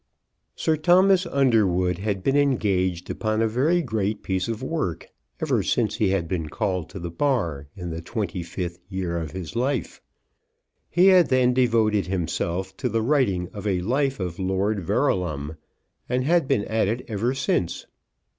Sir Thomas Underwood had been engaged upon a very great piece of work ever since he had been called to the Bar in the twenty fifth year of his life. He had then devoted himself to the writing of a life of Lord Verulam, and had been at it ever since.